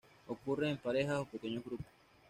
Ocurren en parejas o pequeños grupos.